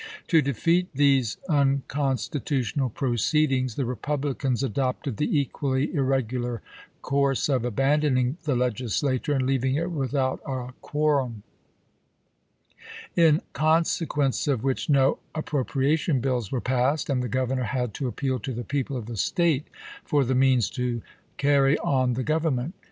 To defeat these uncon stitutional proceedings the Republicans adopted the equally irregular course of abandoning the Legis lature and leaving it without a quorum; in conse quence of which no appropriation bills were passed, and the Governor had to appeal to the people of the State for the means to carry on the govern ment.